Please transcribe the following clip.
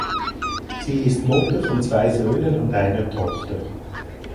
Sie ist Mutter von zwei Söhnen und einer Tochter.